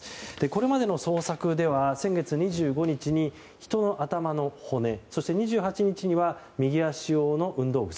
これまでの捜索では先月２５日に人の頭の骨そして２８日には右足用の運動靴